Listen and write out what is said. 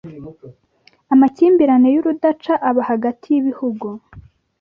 amakimbirane y’urudaca aba hagati y’ibihugu